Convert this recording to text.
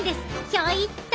ひょいっと！